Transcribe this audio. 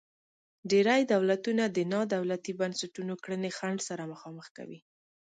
ډیری دولتونه د نا دولتي بنسټونو کړنې خنډ سره مخامخ کوي.